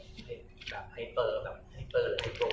หรือเป็นอะไรที่คุณต้องการให้ดู